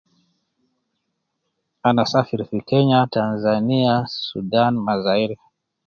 Ana safiri fi Kenya, Tanzania, Sudan ma Zaire.